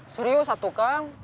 serius satu kang